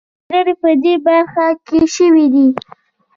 دا څېړنې په دې برخه کې شوي دي.